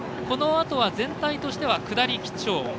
このあとは全体としては下り基調。